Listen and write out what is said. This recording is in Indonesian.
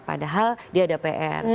padahal dia ada pr